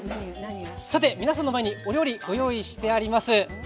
皆さんの前にお料理ご用意してあります。